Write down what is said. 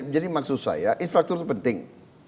jadi maksud saya infrastruktur penting